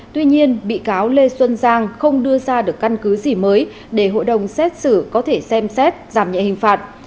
tuy nhiên bị cáo lê xuân giang không đưa ra được căn cứ gì mới để hội đồng xét xử có thể xem xét giảm nhẹ hình phạt